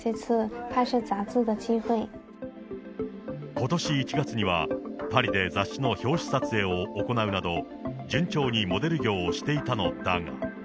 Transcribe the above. ことし１月には、パリで雑誌の表紙撮影を行うなど、順調にモデル業をしていたのだが。